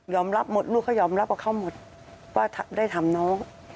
ยอมรับหมดลูกก็ยอมรับว่าเขาหมดว่าได้ทำน้อง